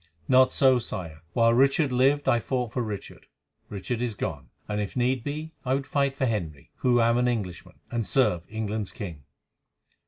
"Not so, Sire. While Richard lived I fought for Richard. Richard is gone; and, if need be, I would fight for Henry, who am an Englishman, and serve England's king."